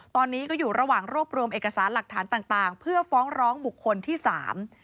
ตอนนี้ก็อยู่ระหว่างรวบรวมเอกสารหลักฐานต่างต่างเพื่อฟ้องร้องบุคคลที่สาม